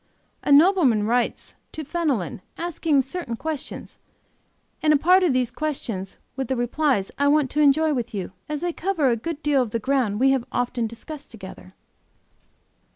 A nobleman writes to Fenelon asking certain questions, and a part of these questions, with the replies, I want to enjoy with you, as they cover a good deal of the ground we have often discussed together": "I.